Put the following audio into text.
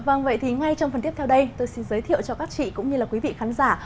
vâng vậy thì ngay trong phần tiếp theo đây tôi xin giới thiệu cho các chị cũng như là quý vị khán giả